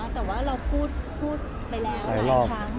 แต่ว่าเราพูดไปแล้วหลายครั้ง